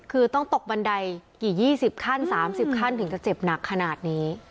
คือต้องตกบันไดประมาณกี่สี่สิบขั้นสามสิบขั้นถึงจะเจ็บหนักขนาดนี้